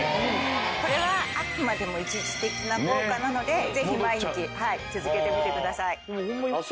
これはあくまでも一時的な効果なのでぜひ毎日続けてみてください。